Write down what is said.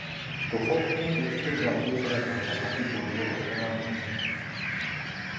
Դուխոնինը տեքստը ուղարկեց ռազմաճակատի բոլոր ղեկավարներին։